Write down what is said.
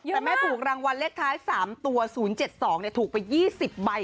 เยอะมากแต่แม่ถูกรางวัลเลขท้ายสามตัวศูนย์เจ็ดสองเนี่ยถูกไปยี่สิบใบ